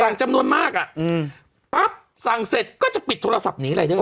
สั่งจำนวนมากอ่ะอืมปั๊บสั่งเสร็จก็จะปิดโทรศัพท์นี้เลย